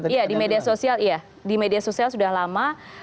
iya di media sosial sudah lama